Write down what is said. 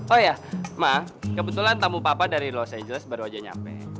oh ya mak kebetulan tamu papa dari los angeles baru aja nyampe